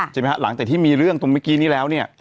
ใช่ไหมฮะหลังจากที่มีเรื่องตรงเมื่อกี้นี้แล้วเนี่ย